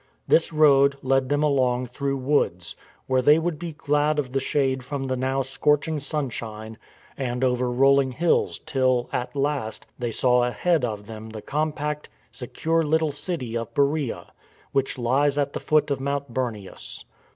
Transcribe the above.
This road led them along through woods, where they would be glad of the shade from the now scorching sunshine, and over rolling hills till, at last, they saw ahead of them the compact, secure little city of Beroea, which " lies at the foot of Mount Bernius."